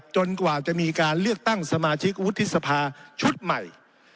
กว่าจะมีการเลือกตั้งสมาชิกวุฒิสภาชุดใหม่